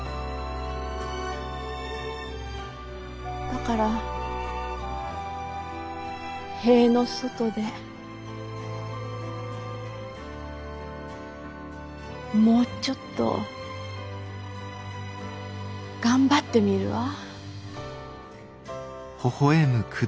だから塀の外でもうちょっと頑張ってみるわ。